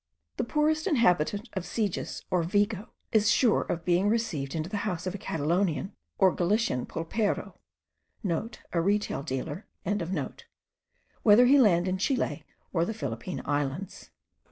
The poorest inhabitant of Siges or Vigo is sure of being received into the house of a Catalonian or Galician pulpero,* (* A retail dealer.) whether he land in Chile or the Philippine Islands.